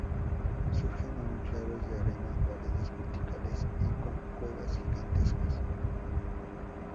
Surgen aún claros de arena, paredes verticales y con cuevas gigantescas.